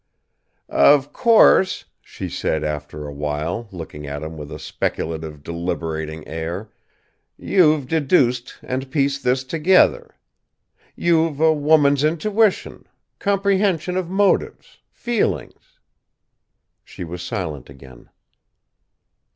"Of course," she said, after a while, looking at him with a speculative, deliberating air, "you've deduced and pieced this together. You've a woman's intuition comprehension of motives, feelings." She was silent again.